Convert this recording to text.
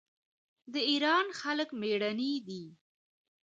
د ایران خلک میړني دي.